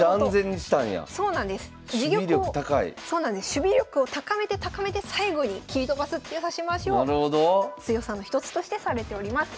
守備力を高めて高めて最後に切り飛ばすっていう指し回しを強さの一つとしてされております。